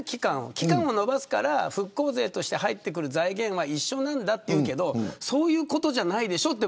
期間を延ばすから復興税として入ってくる財源は一緒なんだって言うけどそういうことじゃないでしょって。